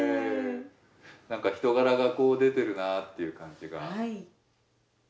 なんか人柄が出てるなっていう感じが。